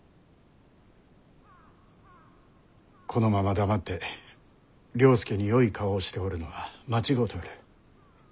このまま黙って了助によい顔をしておるのは間違うておる。